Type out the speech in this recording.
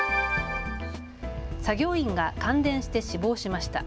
作業員が感電して死亡しました。